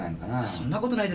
そんなことないですよ。